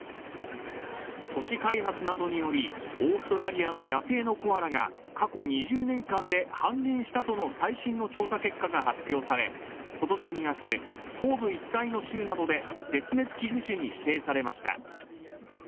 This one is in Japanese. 都市開発などによりオーストラリアの野生のコアラが過去２０年間で、半減したとの最新の調査結果が発表され今年２月、東部一帯の州などで絶滅危惧種に指定されました。